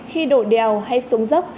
khi đổ đèo hay xuống dốc